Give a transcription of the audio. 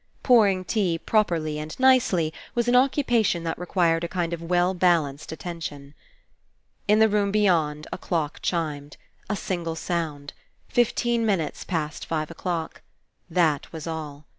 Pouring tea properly and nicely was an occupation that required a kind of well balanced attention. In the room beyond, a clock chimed. A single sound. Fifteen minutes past five o'clock. That was all !